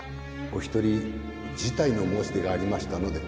お一人辞退の申し出がありましたので